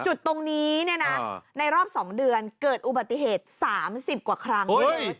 จุดตรงนี้เนี่ยนะในรอบสองเดือนเกิดอุบัติเหตุสามสิบกว่าครั้งเยอะ